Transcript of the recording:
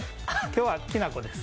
今日はきな粉です。